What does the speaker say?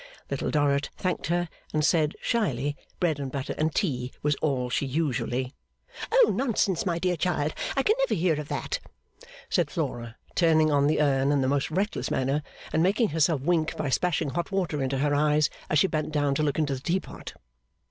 Little Dorrit thanked her, and said, shyly, bread and butter and tea was all she usually 'Oh nonsense my dear child I can never hear of that,' said Flora, turning on the urn in the most reckless manner, and making herself wink by splashing hot water into her eyes as she bent down to look into the teapot.